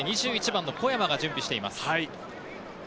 ２１番の小山が準備をしています。